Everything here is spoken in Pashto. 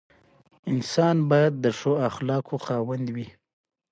مړه د مینې سرڅینه وه